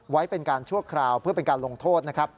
ไว้เป็นการชั่วคราวเพื่อเป็นการลงโทษนะครับ